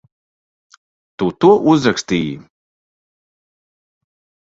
Tu to uzrakstīji?